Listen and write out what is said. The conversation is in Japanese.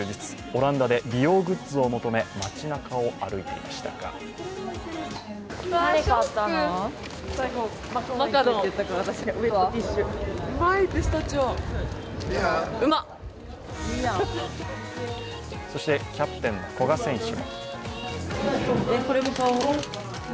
オランダで美容グッズを求め街なかを歩いていましたがそしてキャプテン・古賀選手。